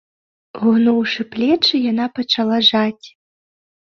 Угнуўшы плечы, яна пачала жаць.